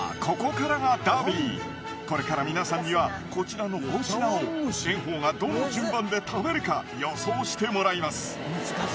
ここからがダービーこれから皆さんにはこちらの５品を炎鵬がどの順番で食べるか予想してもらいます